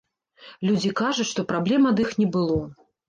Людзі кажуць, што праблем ад іх не было.